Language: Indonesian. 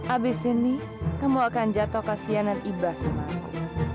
abis ini kamu akan jatuh kasihanan ibah sama aku